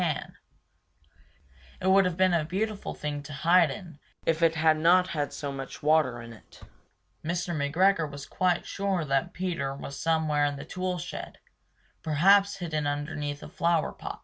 It would have been a beautiful thing to hide in, if it had not had so much water in it. Mr. McGregor was quite sure that Peter was somewhere in the tool shed, perhaps hidden underneath a flower pot.